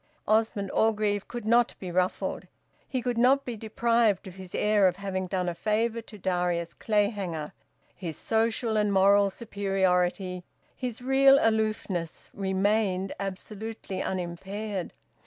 Osmond Orgreave could not be ruffled; he could not be deprived of his air of having done a favour to Darius Clayhanger; his social and moral superiority, his real aloofness, remained absolutely unimpaired.